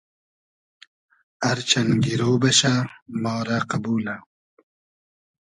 ار چئن گیرۉ بئشۂ ما رۂ قئبولۂ